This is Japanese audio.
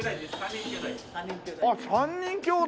ああ３人兄弟！